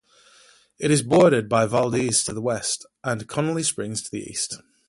It is bordered by Valdese to the west and Connelly Springs to the east.